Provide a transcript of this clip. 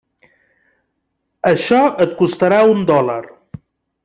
Això et costarà un dòlar.